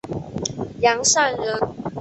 杨善人。